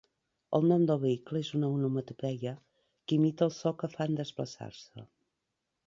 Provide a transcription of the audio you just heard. El nom del vehicle és una onomatopeia que imita el so que fa en desplaçar-se.